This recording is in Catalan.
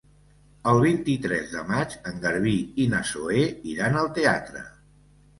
El vint-i-tres de maig en Garbí i na Zoè iran al teatre.